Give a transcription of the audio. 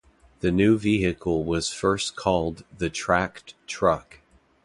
The new vehicle was first called the Tracked Truck.